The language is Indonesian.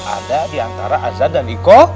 ada diantara azad dan iko